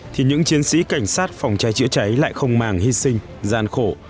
thì những chiến sĩ cảnh sát phòng cháy chữa cháy lại không màng hy sinh gian khổ